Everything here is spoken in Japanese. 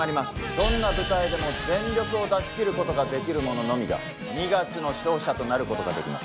どんな舞台でも全力を出し切ることができる者のみが二月の勝者となることができます。